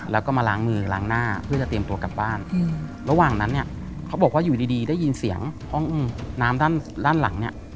แล้วก็มาล้างมือล้างหน้า